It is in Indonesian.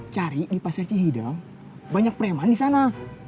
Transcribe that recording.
cari di pasar cihidang banyak preman disana